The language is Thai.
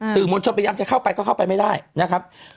มวลชนพยายามจะเข้าไปก็เข้าไปไม่ได้นะครับ